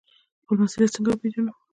خپل مسوولیت څنګه وپیژنو؟